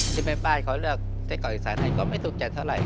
ที่ไปบ้านเขาเลือกเศรษฐกิจสายไทยก็ไม่ถูกจัดเท่าไหร่